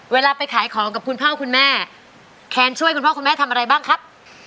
เวลาไปขายของกับคุณพ่อคุณแม่แคนช่วยคุณพ่อคุณแม่ทำอะไรบ้างครับ